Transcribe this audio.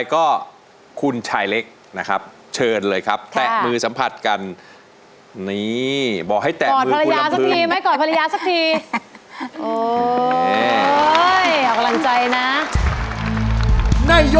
ก็เลยชอบฟังใจมาเลย